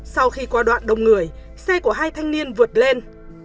sau khi qua đoạn đông người xe của hai thanh niên vượt lên